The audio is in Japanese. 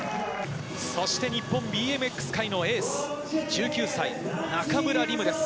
そして日本ＢＭＸ界のエース１９歳、中村輪夢です。